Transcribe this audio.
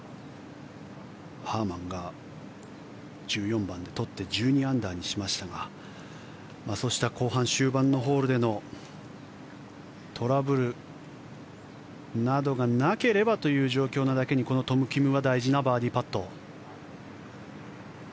ハーマンが１４番で取って１２アンダーにしましたがそうした後半終盤のホールでのトラブルなどがなければという状況なだけにこのトム・キムは大事なバーディーパット。